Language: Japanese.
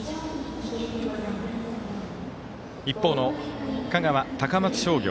一方の香川、高松商業。